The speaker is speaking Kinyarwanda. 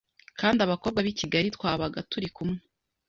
kandi abakobwa b’ I Kigali twabaga turi kumwe